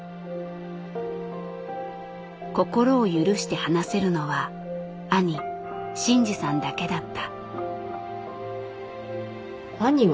心を許して話せるのは兄晋治さんだけだった。